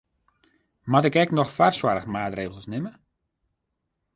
Moat ik ek noch foarsoarchmaatregels nimme?